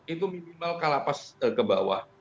itu minimal kala paskah ke bawah